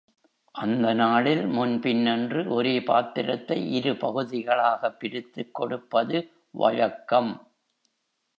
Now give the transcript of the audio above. அந்தநாளில் முன், பின் என்று ஒரே பாத்திரத்தை இரு பகுதிகளாகப் பிரித்துக் கொடுப்பது வழக்கம்.